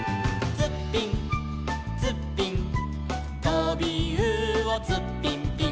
「ツッピンツッピン」「とびうおツッピンピン」